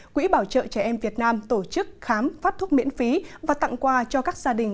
quỹ bảo trợ trẻ em việt nam tổ chức khám phát thuốc miễn phí và tặng quà cho các gia đình